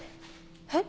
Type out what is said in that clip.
えっ？